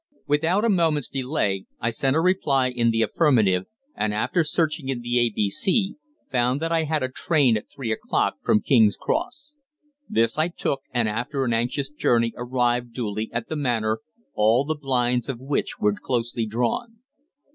"_ Without a moment's delay I sent a reply in the affirmative, and, after searching in the "A.B.C.," found that I had a train at three o'clock from King's Cross. This I took, and after an anxious journey arrived duly at the Manor, all the blinds of which were closely drawn.